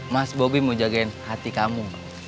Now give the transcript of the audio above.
mas bobi mau jagain hati kamu